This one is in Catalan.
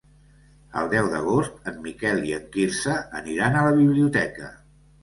El deu d'agost en Miquel i en Quirze aniran a la biblioteca.